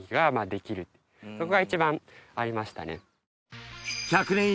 そこが一番ありましたね。